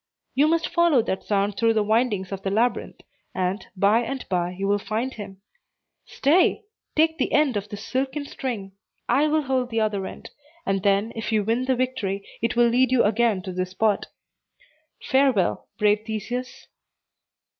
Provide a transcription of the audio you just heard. "You must follow that sound through the windings of the labyrinth, and, by and by, you will find him. Stay! take the end of this silken string; I will hold the other end; and then, if you win the victory, it will lead you again to this spot. Farewell, brave Theseus."